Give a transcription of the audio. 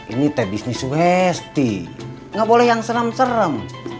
ini teh bisnis westi nggak boleh yang serem serem